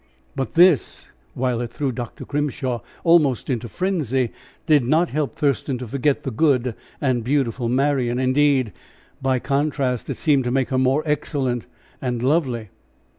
But this while it threw Dr. Grimshaw almost into frenzy, did not help Thurston to forget the good and beautiful Marian. Indeed, by contrast, it seemed to make her more excellent and lovely.